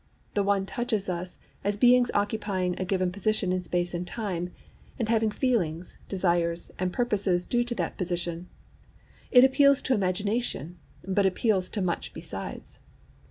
The one touches us as beings occupying a given position in space and time, and having feelings, desires, and purposes due to that position: it appeals to imagination, but appeals to much besides.